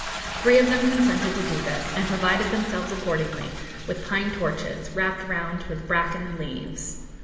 Three of them consented to do this, and provided themselves accordingly with pine torches, wrapped round with bracken and leaves.